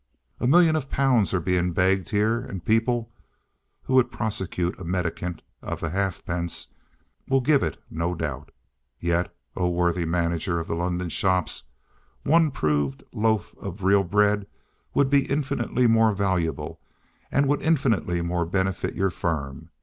A million of pounds are being begged here; and people (who would prosecute a mendicant of halfpence) will give it no doubt! Yet, O worthy manager of the London Shops, one proved loaf of the real Bread would be infinitely more valuable, and would infinitely more benefit your firm!